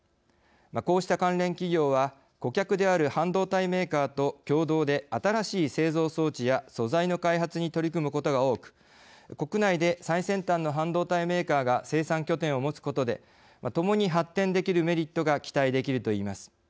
こうした関連企業は顧客である半導体メーカーと共同で新しい製造装置や素材の開発に取り組むことが多く国内で最先端の半導体メーカーが生産拠点を持つことでともに発展できるメリットが期待できるといえます。